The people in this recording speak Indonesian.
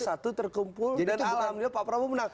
satu terkumpul dan alhamdulillah pak prabowo menang